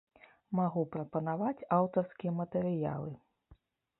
Магу прапанаваць аўтарскія матэрыялы.